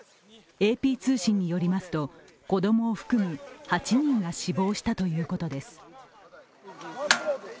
ＡＰ通信によりますと子供を含む８人が死亡したということです。